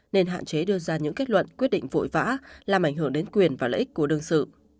nên hạn chế đưa ra những kết luận quyết định vội vã làm ảnh hưởng đến quyền và lợi ích của đương sự